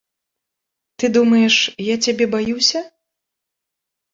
Ты думаеш, я цябе баюся?